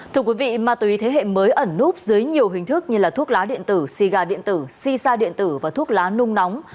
thưa quý vị ma túy thế hệ mới ẩn núp dưới nhiều hình thức như là thuốc lá điện tử siga điện tử si sa điện tử và thuốc lá nung nóng